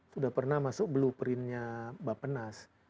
sudah pernah masuk blueprintnya mbak penas